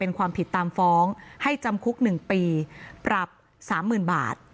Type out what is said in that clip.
เป็นความผิดตามฟ้องให้จำคุก๑ปีปรับ๓๐๐๐บาท